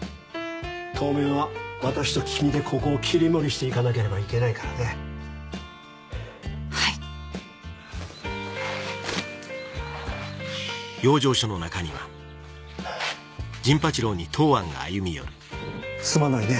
当面は私と君でここを切り盛りしていかなければいけないからねはいすまないね